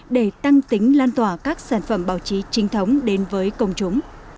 để tăng tính lan tỏa các sản phẩm báo chí trinh thống đến với công chúng